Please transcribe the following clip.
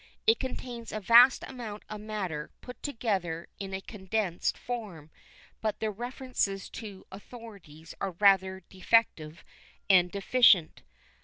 It contains a vast amount of matter put together in a condensed form but the references to authorities are rather defective and deficient.